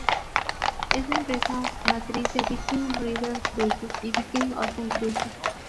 Es la empresa matriz de Viking River Cruises y Viking Ocean Cruises.